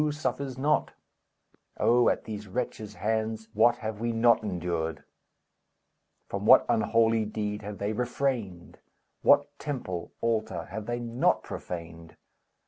Who suffers not? Oh! at these wretches' hands, What have we not endured? From what unholy deed have they refrained? What temple, altar, have they not profaned?